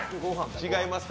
違いますか？